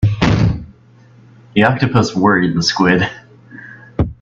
The octopus worried the squid.